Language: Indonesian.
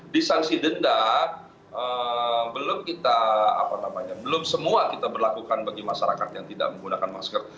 di sanksi denda belum kita apa namanya belum semua kita berlakukan bagi masyarakat yang tidak menggunakan masker